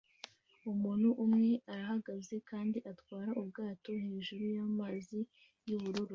Umuntu umwe arahagaze kandi atwara ubwato hejuru y'amazi y'ubururu